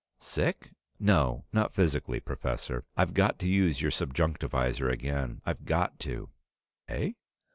"Sick? No. Not physically. Professor. I've got to use your subjunctivisor again. I've got to!" "Eh?